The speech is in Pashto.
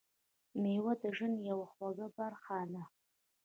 میوه د ژوند یوه خوږه برخه ده.